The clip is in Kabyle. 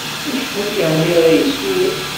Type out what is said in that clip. Acḥal yeɛni ara yeswu?